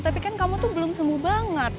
tapi kan tuh kamu belum sembuh banget